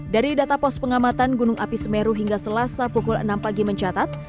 dari data pos pengamatan gunung api semeru hingga selasa pukul enam pagi mencatat